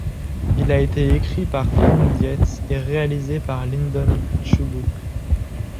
Il a été écrit par Franck Dietz et réalisé par Lyndon Chubbuck.